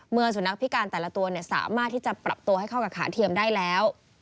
สุนัขพิการแต่ละตัวสามารถที่จะปรับตัวให้เข้ากับขาเทียมได้แล้ว